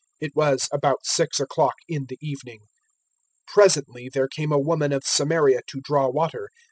It was about six o'clock in the evening. 004:007 Presently there came a woman of Samaria to draw water.